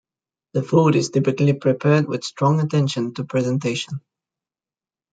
The food is typically prepared with strong attention to presentation.